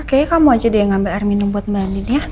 kayaknya kamu aja dia yang ambil air minum buat mending ya